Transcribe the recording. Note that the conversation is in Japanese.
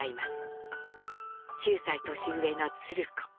９歳年上の鶴子。